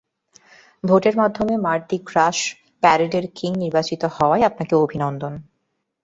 ভোটের মাধ্যমে মার্দি গ্রাস প্যারেডের কিং নির্বাচিত হওয়ায় আপনাকে অভিনন্দন।